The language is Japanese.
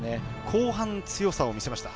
後半強さを見せました。